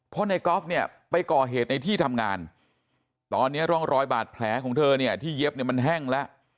เพราะในกอล์ฟเนี่ยไปก่อเหตุในที่ทำงานตอนนี้ร่องรอยบาดแผลของเธอเนี่ยที่เย็บเนี่ยมันแห้งแล้ว